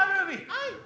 はい。